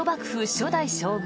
初代将軍